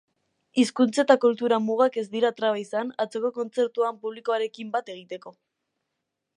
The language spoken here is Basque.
Hizkuntz eta kultura mugak ez dira traba izan atzoko kontzertuan publikoarekin bat egiteko.